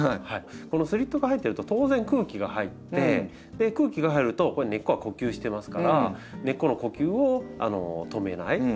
このスリットが入ってると当然空気が入って空気が入ると根っこは呼吸してますから根っこの呼吸を止めない。